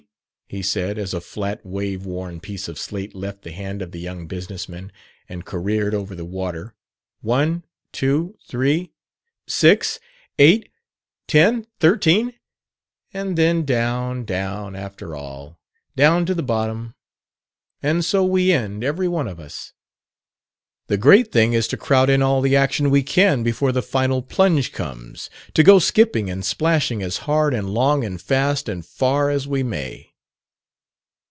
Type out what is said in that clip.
he said, as a flat, waveworn piece of slate left the hand of the young business man and careered over the water; "one, two, three six, eight ten, thirteen; and then down, down, after all, down to the bottom. And so we end every one of us. The great thing is to crowd in all the action we can before the final plunge comes to go skipping and splashing as hard and long and fast and far as we may!"